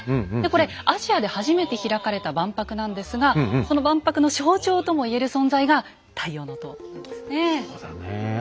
これアジアで初めて開かれた万博なんですがその万博の象徴とも言える存在が「太陽の塔」なんですね。そうだねえ。